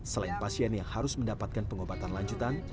selain pasien yang harus mendapatkan pengobatan lanjutan